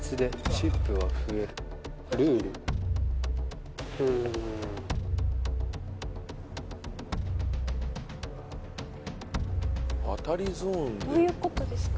「チップは増える」「ルール」ふん当たりゾーンでどういうことですか？